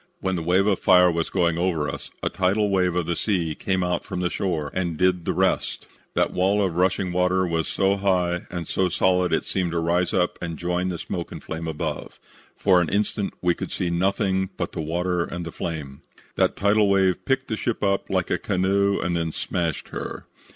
When the wave of fire was going over us, a tidal wave of the sea came out from the shore and did the rest. That wall of rushing water was so high and so solid that it seemed to rise up and join the smoke and flame above. For an instant we could see nothing but the water and the flame. "That tidal wave picked the ship up like a canoe and then smashed her.